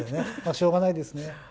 しょうがないですね。